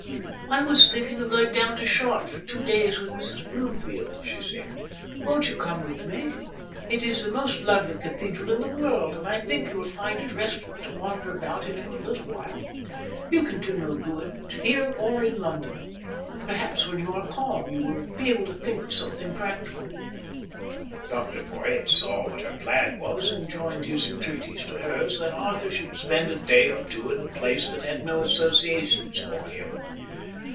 "I was thinking of going down to Chartres for two days with Mrs Bloomfield," she said. "Won't you come with me? It is the most lovely cathedral in the world, and I think you will find it restful to wander about it for a little while. You can do no good, here or in London. Perhaps when you are calm, you will be able to think of something practical." Dr Porhoët saw what her plan was, and joined his entreaties to hers that Arthur should spend a day or two in a place that had no associations for him.